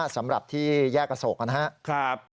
สำหรับที่แยกอโศกนะครับ